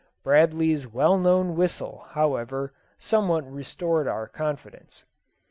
Bradley's well known whistle, however, somewhat restored our confidence.